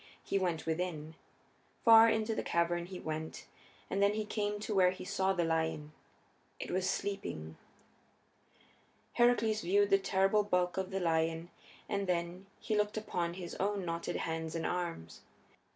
He went within. Far into the cavern he went, and then he came to where he saw the lion. It was sleeping. Heracles viewed the terrible bulk of the lion, and then he looked upon his own knotted hands and arms.